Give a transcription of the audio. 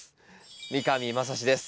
三上真史です。